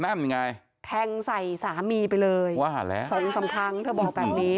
นั่นไงแทงใส่สามีไปเลยว่าแล้วสองสามครั้งเธอบอกแบบนี้